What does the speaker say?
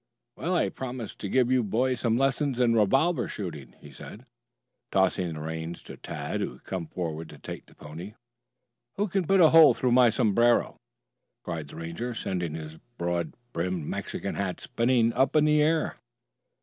"Well, I promised to give you boys some lessons in revolver shooting," he said, tossing the reins to Tad who had come forward to take the pony. "Who can put a hole through my sombrero?" cried the Ranger sending his broad brimmed Mexican hat spinning up into the air.